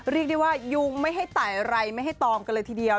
เรียกได้ว่ายุงไม่ให้ตายไรไม่ให้ตอมกันเลยทีเดียว